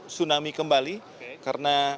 tsunami kembali karena